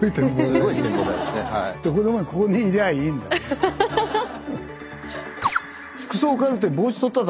どこでもここにいりゃあいいんだ。